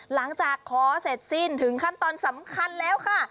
หลังจากขอเสร็จสิ้นถึงขั้นตอนสำคัญแล้วค่ะ